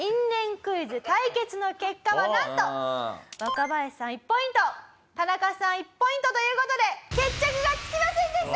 クイズ対決の結果はなんと若林さん１ポイント田中さん１ポイントという事で決着がつきませんでした！